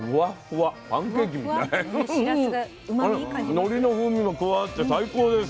のりの風味も加わって最高です。